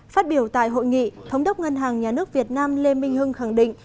phát biểu tại hội nghị thống đốc ngân hàng nhà nước việt nam lê minh hưng khẳng định